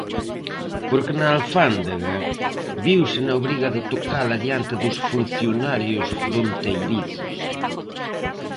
Porque na alfándega, viuse na obriga de tocala diante dos funcionarios fronteirizos.